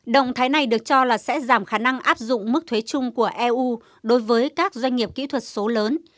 động thái này được cho là sẽ giảm khả năng áp dụng mức thuế chung của eu đối với các doanh nghiệp kỹ thuật số lớn